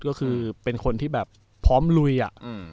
ก็คือเป็นคนที่แบบพร้อมลุยอะ